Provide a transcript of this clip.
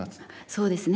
そうですね